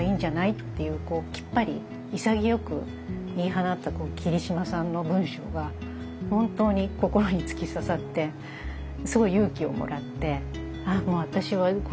っていうきっぱり潔く言い放った桐島さんの文章が本当に心に突き刺さってすごい勇気をもらって。